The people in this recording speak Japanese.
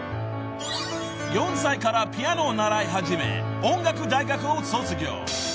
［４歳からピアノを習い始め音楽大学を卒業］